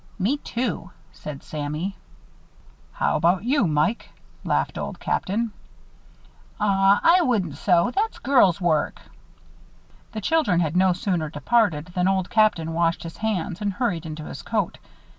"Me, too," said Sammie. "How about you, Mike?" laughed Old Captain. "Aw, I wouldn't sew. That's girls' work." The children had no sooner departed than Old Captain washed his hands and hurried into his coat.